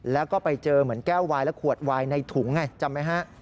แล้วก็ไปเจอเหมือนแก้ววายและขวดวายในถุงไงจำไหมฮะ